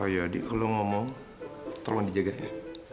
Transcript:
pak yadi kalau ngomong tolong dijaga ya